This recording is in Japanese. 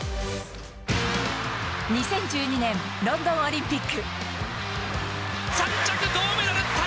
２０１２年ロンドンオリンピック。